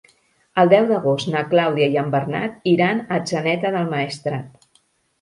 El deu d'agost na Clàudia i en Bernat iran a Atzeneta del Maestrat.